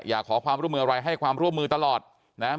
อยากขอความร่วมมืออะไรให้ความร่วมมือตลอดนะครับ